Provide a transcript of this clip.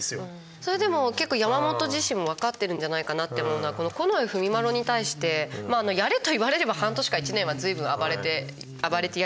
それでも結構山本自身も分かってるんじゃないかなって思うのはこの近衛文麿に対して「やれと言われれば半年か１年はずいぶん暴れて暴れてやりましょう」と。